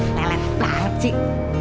lelet lelet pelan pelan sih